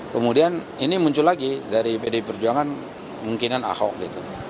kemudian ini muncul lagi dari pdi perjuangan mungkinan ahok gitu